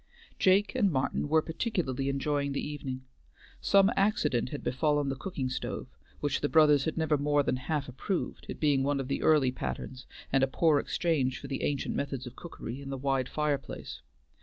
Jake and Martin were particularly enjoying the evening. Some accident had befallen the cooking stove, which the brothers had never more than half approved, it being one of the early patterns, and a poor exchange for the ancient methods of cookery in the wide fireplace.